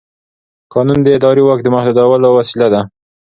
قانون د اداري واک د محدودولو وسیله ده.